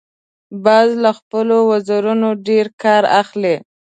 باز له خپلو وزرونو ډیر کار اخلي